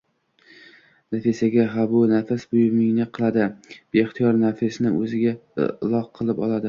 Nafsiga!.. Ha, u nafsi buyurganini qiladi, beixtiyor nafsini o‘ziga iloh qilib oladi.